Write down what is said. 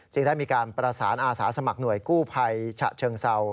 ได้มีการประสานอาสาสมัครหน่วยกู้ภัยฉะเชิงเศร้า